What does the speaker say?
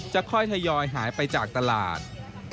ค่อยทยอยหายไปจากตลาด